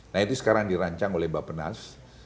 nah itu sekarang dirancang oleh bapak penas